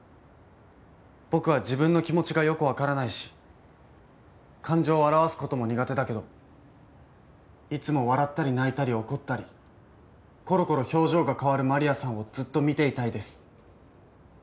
僕は自分の気持ちがよくわからないし感情を表す事も苦手だけどいつも笑ったり泣いたり怒ったりコロコロ表情が変わるマリアさんをずっと見ていたいです。